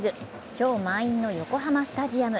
超満員の横浜スタジアム。